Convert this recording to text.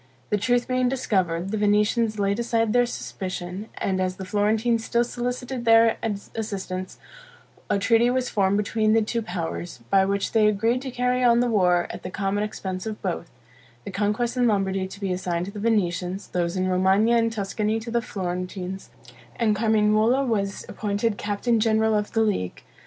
The truth being discovered, the Venetians laid aside their suspicion; and as the Florentines still solicited their assistance, a treaty was formed between the two powers, by which they agreed to carry on the war at the common expense of both: the conquests in Lombardy to be assigned to the Venetians; those in Romagna and Tuscany to the Florentines; and Carmignuola was appointed Captain General of the League.